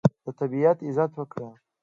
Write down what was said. د طبیعت عزت وکړه.